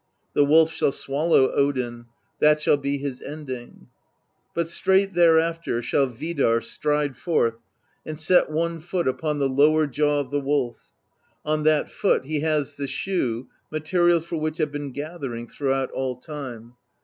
The Wolf shall swallow Odin; that shall be his ending But straight thereafter shall Vidarr stride forth and set one foot upon the lower jaw of the Wolf: on that foot he has the shoe, materials for which have been gathering throughout all time.